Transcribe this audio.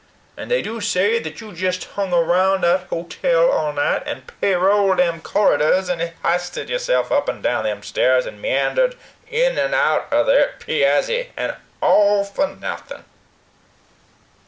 And they do say thet you jist hung around thet hotel all night, and payrolled them corriders, and histed yourself up and down them stairs, and meandered in and out o' thet piazzy, and all for nothing?"